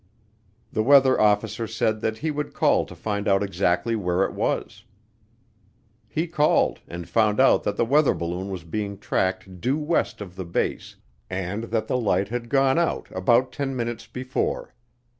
The weather officer said that he would call to find out exactly where it was. He called and found out that the weather balloon was being tracked due west of the base and that the light had gone out about ten minutes before.